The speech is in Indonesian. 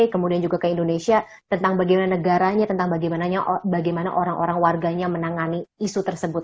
kemudian juga ke indonesia tentang bagaimana negaranya tentang bagaimana orang orang warganya menangani isu tersebut